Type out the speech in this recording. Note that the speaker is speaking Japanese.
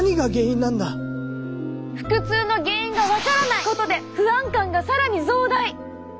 腹痛の原因が分からないことで不安感が更に増大！